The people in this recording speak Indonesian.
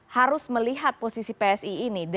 harus melihat posisi psi ini